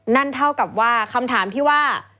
นั่นเท่ากับว่าคำถามที่ว่า